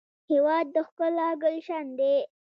هېواد د ښکلا ګلشن دی.